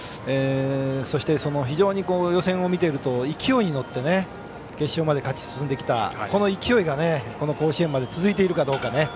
そして、予選を見ていると非常に勢いに乗って決勝まで勝ち進んできた勢いがこの甲子園まで続いているかどうか。